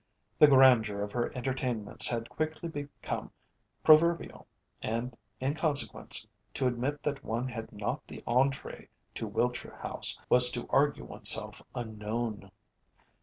The grandeur of her entertainments had quickly become proverbial, and in consequence, to admit that one had not the entrée to Wiltshire House, was to argue oneself unknown.